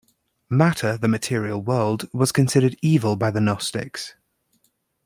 Matter, the material world, was considered evil by the gnostics.